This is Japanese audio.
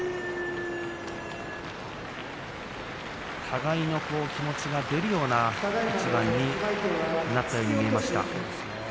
互いの気持ちが出るような一番になったように見えました。